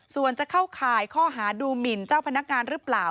ส่วนจะเข้าข่ายข้อหาดูหมินเจ้าพนักงานหรือเปล่า